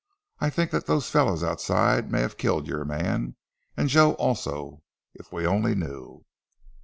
I think that those fellows outside may have killed your man and Joe also, if we only knew!"